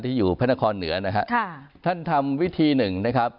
อยู่พระนครเหนือนะฮะค่ะท่านทำวิธีหนึ่งนะครับ